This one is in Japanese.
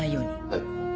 はい。